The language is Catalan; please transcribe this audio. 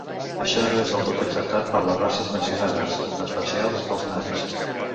Això no és del tot acceptat per les races mencionades, en especial pels nans.